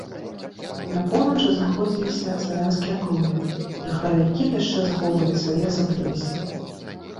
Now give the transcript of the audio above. На поўначы знаходзіліся славянскія акругі, жыхары якіх яшчэ захоўвалі свае асаблівасці.